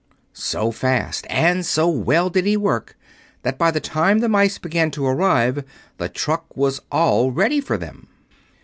So fast and so well did he work that by the time the mice began to arrive the truck was all ready for them.